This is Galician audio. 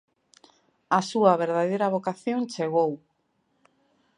A súa verdadeira vocación chegou.